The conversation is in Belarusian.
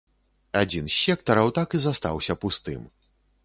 Адзін з сектараў так і застаўся пустым.